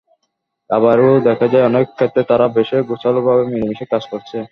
আবার এ–ও দেখা যায়, অনেক ক্ষেত্রে তারা বেশ গোছালোভাবে মিলেমিশে কাজ করছে।